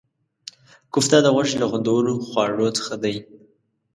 کوفته د غوښې له خوندورو خواړو څخه دی.